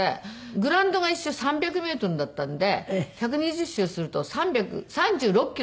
グラウンドが１周３００メートルだったんで１２０周すると３６キロなんですよ。